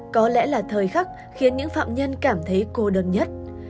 có lẽ là thời khắc khiến những phạm nhân cảm thấy cô đơn nhất